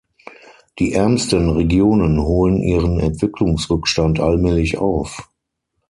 Die ärmsten Regionen holen ihren Entwicklungsrückstand allmählich auf.